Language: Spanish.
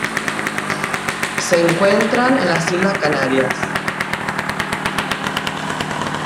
Se encuentran en las Islas Canarias.